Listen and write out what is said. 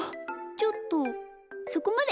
ちょっとそこまで。